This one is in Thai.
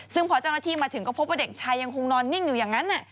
ซึ่งพอเจ้าหน้าที่มาถึงก็พบว่าเด็กชายยังคงนอนนิ่งอยู่อย่างนั้น